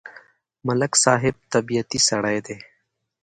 ملک صاحب طبیعتی سړی دی.